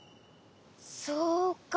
そうか。